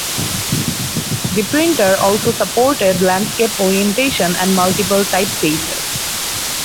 The printer also supported landscape orientation and multiple typefaces.